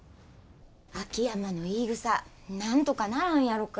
秋山の言いぐさなんとかならんやろか。